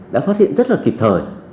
đã phát hiện rất là kịp thời